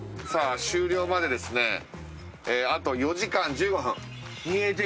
終了まであと４時間１５分。